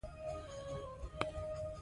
مطالعه مو ذهن روښانه کوي.